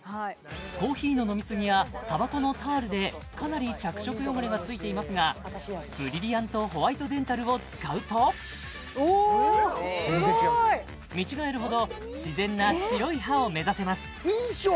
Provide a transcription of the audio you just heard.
コーヒーの飲みすぎやたばこのタールでかなり着色汚れがついていますがブリリアントホワイトデンタルを使うと見違えるほど自然な白い歯を目指せます印象